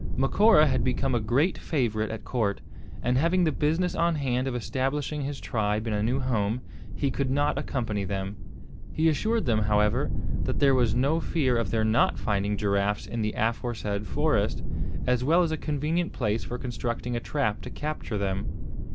Macora had become a great favourite at court; and, having the business on hand of establishing his tribe in a new home, he could not accompany them. He assured them, however that there was no fear of their not finding giraffes in the aforesaid forest, as well as a convenient place for constructing a trap to capture them.